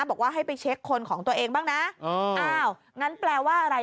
บอกว่าให้ไปเช็คคนของตัวเองบ้างนะอ้าวงั้นแปลว่าอะไร